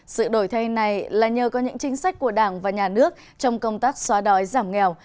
sự đổi thay này là nhờ có những chính sách của đảng và nhà nước trong công tác xóa đói giảm nghèo